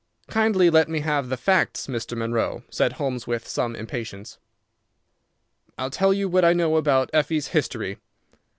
"Kindly let me have the facts, Mr. Munro," said Holmes, with some impatience. "I'll tell you what I know about Effie's history.